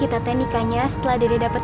kita teh nikahnya setelah dede dapat